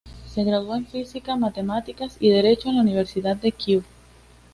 Se graduó en física, matemáticas y derecho en la Universidad de Kiev.